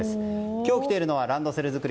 今日来ているのはランドセル作り